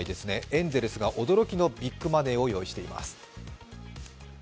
エンゼルスが驚きのビッグマネーを用意しています。